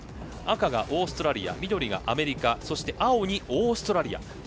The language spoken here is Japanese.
赤がオーストラリア緑がアメリカそして青にオーストラリア。